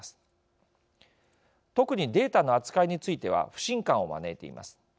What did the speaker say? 特にデータの扱いについては不信感を招いています。